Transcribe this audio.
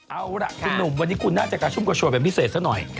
เอาล่ะคุณหนุ่มวันนี้คุณน่าจะกระชุ่มกระชวยเป็นพิเศษซะหน่อย